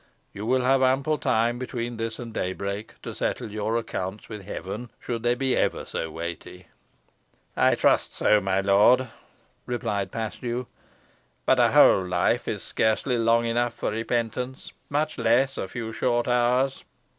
You will have ample time between this and daybreak, to settle your accounts with Heaven, should they be ever so weighty." "I trust so, my lord," replied Paslew; "but a whole life is scarcely long enough for repentance, much less a few short hours.